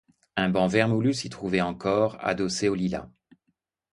Un banc vermoulu s'y trouvait encore, adossé aux lilas.